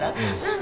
何？